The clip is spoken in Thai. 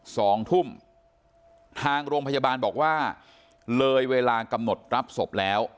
สองทุ่มทางโรงพยาบาลบอกว่าเลยเวลากำหนดรับศพแล้ว